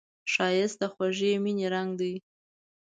ښایست د خوږې مینې رنګ لري